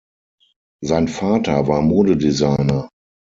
Sein Vater war Modedesigner.